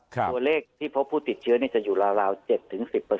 ตัวเลขที่พบผู้ติดเชื้อจะอยู่ราว๗๑๐